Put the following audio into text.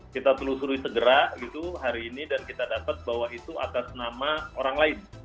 kita telusuri segera gitu hari ini dan kita dapat bahwa itu atas nama orang lain